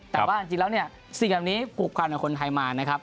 แต่ว่าจริงแล้วเนี่ยสิ่งแบบนี้ผูกความของคนไทยมานะครับ